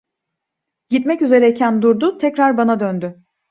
Gitmek üzereyken durdu, tekrar bana döndü.